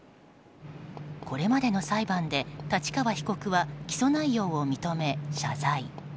これまでの裁判で太刀川被告は起訴内容を認め、謝罪。